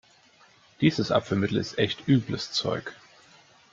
Dieses Abführmittel ist echt übles Zeug.